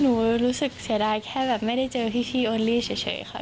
รู้สึกเสียดายแค่แบบไม่ได้เจอพี่โอลี่เฉยค่ะ